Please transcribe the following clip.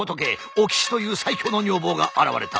お岸という最強の女房が現れた。